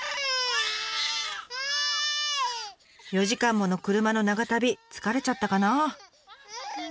４時間もの車の長旅疲れちゃったかな。